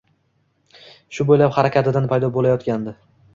Shu bo’ylab harakatidan paydo bo’layotgandi.